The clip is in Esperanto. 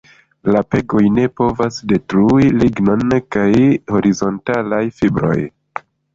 La pegoj ne povas detrui lignon kun horizontalaj fibroj.